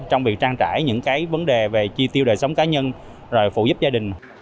trong việc trang trải những cái vấn đề về chi tiêu đời sống cá nhân rồi phụ giúp gia đình